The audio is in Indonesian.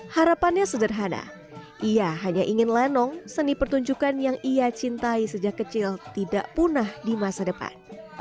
harapannya sederhana ia hanya ingin lenong seni pertunjukan yang ia cintai sejak kecil tidak punah di masa depan